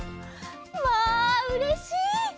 わあうれしい！